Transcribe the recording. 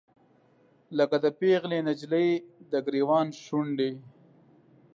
لکه د پیغلې نجلۍ، دګریوان شونډې